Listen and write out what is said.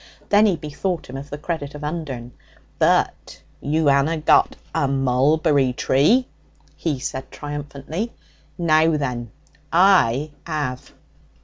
Then he bethought him of the credit of Undern. 'But you anna got a mulberry tree,' he said triumphantly. 'Now then! I 'ave!'